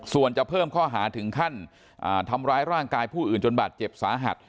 ส่วนจะเพิ่มข้อหาถึงขั้นทำร้ายร่างกายผู้อื่นจนบาดเจ็บสาหัส